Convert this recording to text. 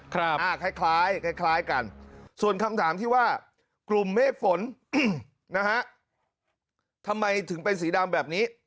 คล้ายคล้ายกันส่วนคำถามที่ว่ากลุ่มเมฆฝนนะฮะทำไมถึงเป็นสีดำแบบนี้